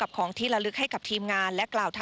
บ้านก่อนมีเวลามาทางนอกรอเยอะเลย